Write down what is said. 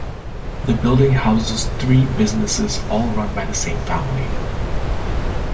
The building houses three businesses all run by the same family.